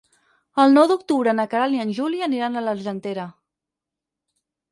El nou d'octubre na Queralt i en Juli aniran a l'Argentera.